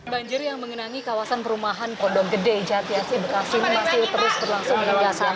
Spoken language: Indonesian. banjir yang mengenangi kawasan perumahan pondok gede jatiasi bekasi masih terus berlangsung menerjang